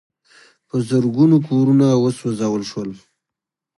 په زرګونو کورونه وسوځول شول.